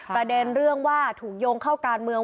ประเด็นเรื่องว่าถูกโยงเข้าการเมือง